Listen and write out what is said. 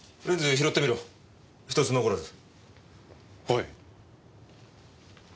はい。